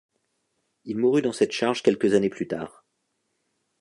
Il mourut dans cette charge quelques années plus tard.